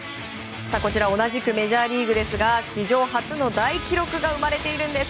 同じくメジャーリーグですが史上初の大記録が生まれているんです。